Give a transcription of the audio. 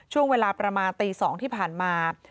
ช่วงเวลาประมาณตี๒ที่ผ่านมา